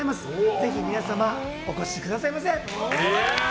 ぜひ皆様、お越しください。